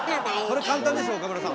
これ簡単でしょう岡村さん！